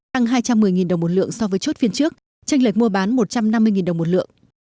tăng hai trăm một mươi đồng một lượng so với chốt phiên trước tranh lệch mua bán một trăm năm mươi đồng một lượng